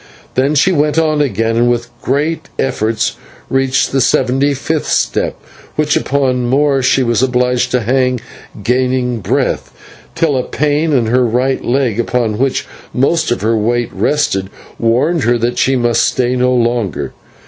Then she went on again and with great efforts reached the seventy fifth step, where once more she was obliged to hang, gaining breath, till a pain in her right leg, upon which most of her weight rested, warned her that she must stay no longer.